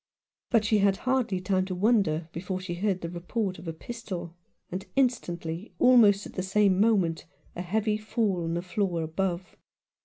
:But she had hardly time to wonder before she heard the report of a pistol, and instantly, almost at the same moment, a heavy fall on the floor above.